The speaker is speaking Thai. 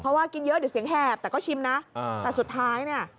เพราะว่ากินเยอะเดี๋ยวเสียงแหบแต่ก็ชิมนะแต่สุดท้ายเนี่ย